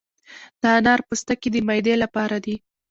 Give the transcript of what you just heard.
د انار پوستکي د معدې لپاره دي.